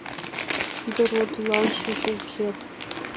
Тиде родылан шушыжо уке.